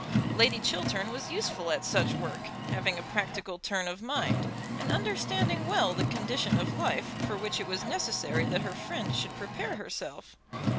Lady Chiltern was useful at such work, having a practical turn of mind, and understanding well the condition of life for which it was necessary that her friend should prepare herself.